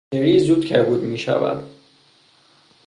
شری زود کبود میشود.